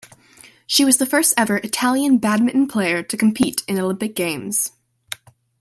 She was the first ever Italian badminton player to compete in Olympic Games.